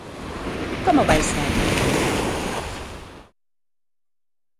¿Como vai ser?